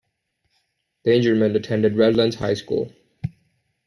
Dangermond attended Redlands High School.